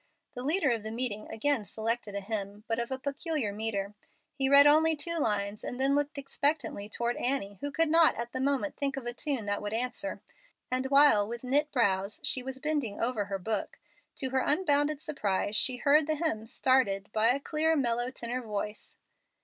The leader of the meeting again selected a hymn, but of a peculiar metre. He read only two lines, and then looked expectantly toward Annie, who could not at the moment think of a tune that would answer; and while with knit brows she was bending over her book, to her unbounded surprise she heard the hymn started by a clear, mellow tenor voice.